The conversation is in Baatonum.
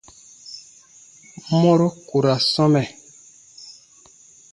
Mɔru ku ra sɔmɛ.